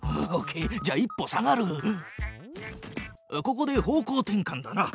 ここで方向転かんだな。